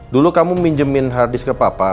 dulu kamu minjemin hardis ke papa